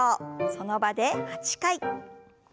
その場で８回。